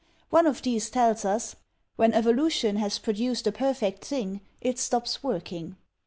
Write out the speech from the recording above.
One of these tells us "When evolution has produced a perfect thing, it stops working.